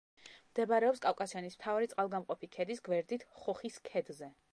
მდებარეობს კავკასიონის მთავარი წყალგამყოფი ქედის გვერდით ხოხის ქედზე.